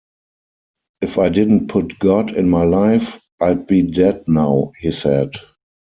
"If I didn't put God in my life, I'd be dead now," he said.